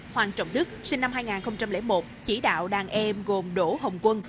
hoàng trọng đức sinh năm hai nghìn một chỉ đạo đàn em gồm đỗ hồng quân